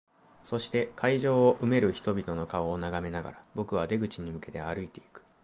そして、会場を埋める人々の顔を眺めながら、僕は出口に向けて歩いていく。